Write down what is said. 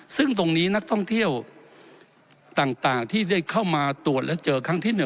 ซึ่งตรงนี้นักท่องเที่ยวต่างที่ได้เข้ามาตรวจและเจอครั้งที่๑